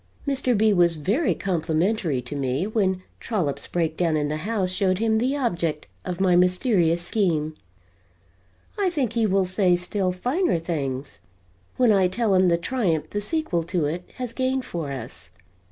Mr. B. was very complimentary to me when Trollop's break down in the House showed him the object of my mysterious scheme; I think he will say still finer things when I tell him the triumph the sequel to it has gained for us.